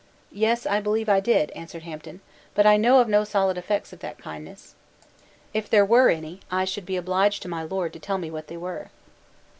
"Yes, I believe I did," answered Hampden; "but I know of no solid effects of that kindness. If there were any, I should be obliged to my Lord to tell me what they were."